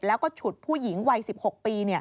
แล้วก็ฉุดผู้หญิงวัย๑๖ปี